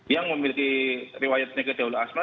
yang memiliki riwayatnya keseolah asma